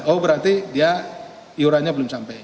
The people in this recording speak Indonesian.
oh berarti dia iurannya belum sampai